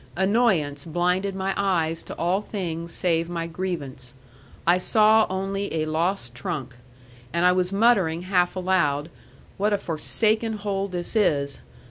Annoyance blinded my eyes to all things save my grievance: I saw only a lost trunk. And I was muttering half aloud, "What a forsaken hole this is!"